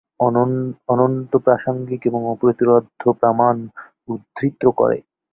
অনন্ত প্রাসঙ্গিক এবং অপ্রতিরোধ্য প্রমাণ উদ্ধৃত করেন।